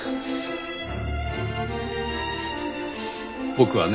僕はね